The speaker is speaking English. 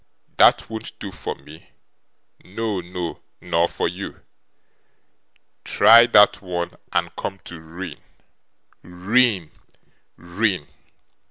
That won't do for me no, no, nor for you. Try that once, and come to ruin ruin ruin!